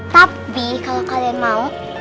tapi kalau kalian mau